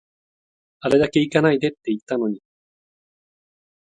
あれだけ行かないでって言ったのに